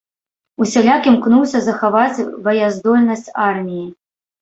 Усяляк імкнуўся захаваць баяздольнасць арміі.